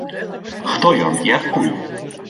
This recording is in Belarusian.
Хто ён і адкуль?